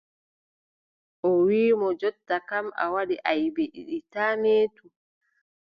O wiʼi mo: jonta kam, a waɗi aybe ɗiɗi taa meetu.